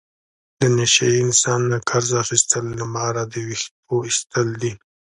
د نشه یي انسان نه قرض اخستل له ماره د وېښتو ایستل دي.